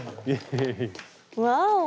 ワオ！